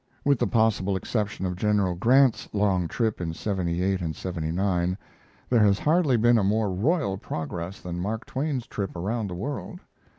With the possible exception of General Grant's long trip in '78 and '79 there has hardly been a more royal progress than Mark Twain's trip around the world.